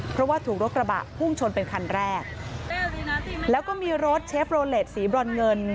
เพราะว่าถูกรถกระบะพุ่งชนเป็นคันแรกแล้วก็มีรถเชฟโรเลสสีบรอนเงิน